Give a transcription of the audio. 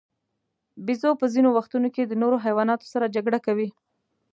بیزو په ځینو وختونو کې د نورو حیواناتو سره جګړه کوي.